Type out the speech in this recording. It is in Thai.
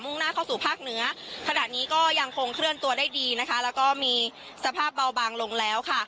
่งหน้าเข้าสู่ภาคเหนือขณะนี้ก็ยังคงเคลื่อนตัวได้ดีนะคะแล้วก็มีสภาพเบาบางลงแล้วค่ะ